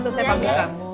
nah gitu mas iya